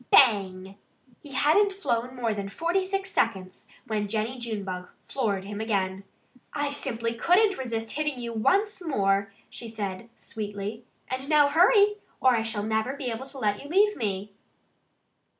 BANG! He hadn't flown longer than forty six seconds when Jennie Junebug floored him again. "I simply couldn't resist hitting you once more!" she said sweetly. "And now, hurry! Or I shall never be able to let you leave me."